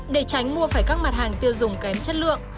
để tránh mua phải các mặt hàng tiêu dùng kém chất lượng